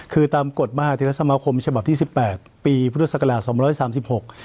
คือตามกฎมหาเทศสมาคมฉบับที่สิบแปดปีพุทธศักราชสองร้อยสามสิบหก